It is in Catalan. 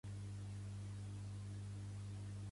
Pertany al moviment independentista el Ca?